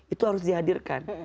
itu harus dihadirkan